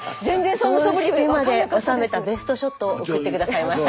そうしてまで収めたベストショットを送って下さいました。